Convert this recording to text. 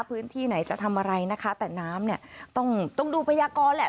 พื้นที่ไหนจะทำอะไรนะคะแต่น้ำเนี่ยต้องต้องดูพยากรแหละ